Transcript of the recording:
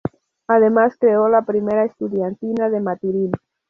Además creó la primera estudiantina de Maturín.